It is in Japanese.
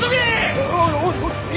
おい